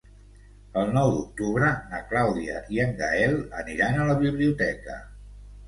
El nou d'octubre na Clàudia i en Gaël aniran a la biblioteca.